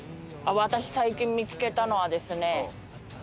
私最近見つけたのはですね。